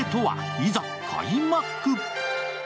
いざ開幕！